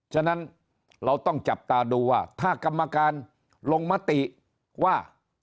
ฉะนั้นเราต้องจับตาดูว่าถ้ากรรมการลงมติว่า